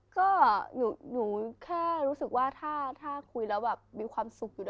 ก็หนูแค่รู้สึกว่าถ้าคุยแล้วแบบมีความสุขอยู่ด้วย